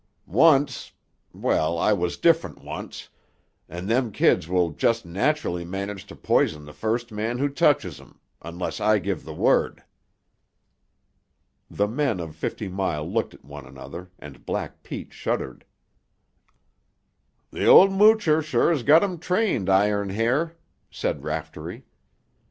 Once—well, I was different once—and them kids will just nacherlly manage to poison the first man who touches 'em—unless I give the word." The men of Fifty Mile looked at one another, and Black Pete shuddered. "The ol' moocher sure has got 'em trained, Iron Hair," said Raftery.